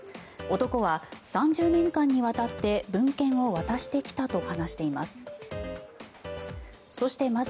男は、３０年間にわたって文献を渡してきたと話しています。